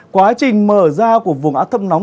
quá trình mở ra của vùng áp thấp nóng